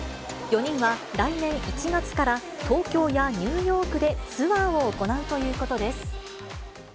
４人は来年１月から、東京やニューヨークでツアーを行うということです。